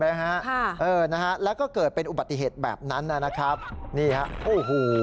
ไปใกล้แยกก่อนนี่ไหม